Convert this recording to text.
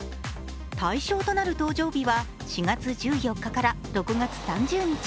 対象となる搭乗日は４月１４日から６月３０日。